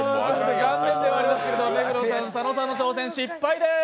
残念ではありますけど、目黒さん、佐野さんの挑戦失敗です。